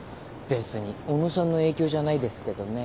別に小野さんの影響じゃないですけどね。